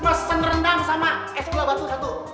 mesen rendang sama es gula batu satu